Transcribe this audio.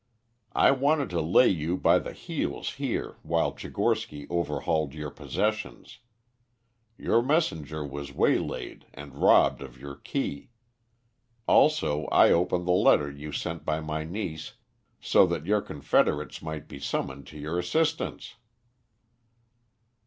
I wanted to lay you by the heels here while Tchigorsky overhauled your possessions. Your messenger was waylaid and robbed of your key. Also I opened the letter you sent by my niece so that your confederates might be summoned to your assistance."